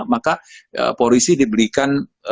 maka polisi diberikan